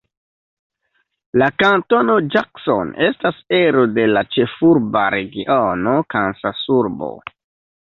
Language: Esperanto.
La kantono Jackson estas ero de la Ĉefurba Regiono Kansasurbo.